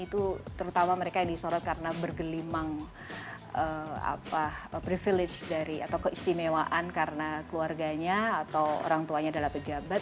itu terutama mereka yang disorot karena bergelimang privilege dari atau keistimewaan karena keluarganya atau orang tuanya adalah pejabat